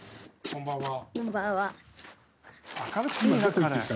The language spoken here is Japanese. こんばんは。